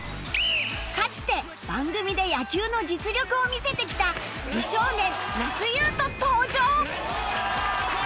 かつて番組で野球の実力を見せてきた美少年那須雄登登場！